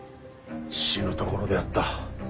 死ぬところであった。